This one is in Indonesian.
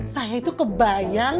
saya itu kebayang